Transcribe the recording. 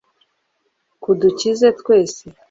kudukiza twese